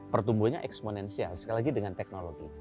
pertumbuhannya eksponensial sekali lagi dengan teknologi